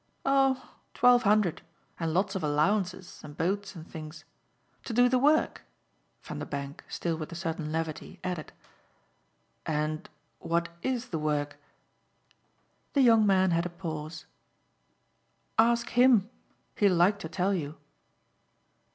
"Oh twelve hundred and lots of allowances and boats and things. To do the work!" Vanderbank, still with a certain levity, added. "And what IS the work?" The young man had a pause. "Ask HIM. He'll like to tell you."